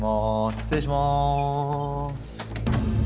失礼します。